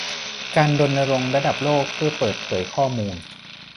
การรณรงค์ระดับโลกเพื่อเปิดเผยข้อมูล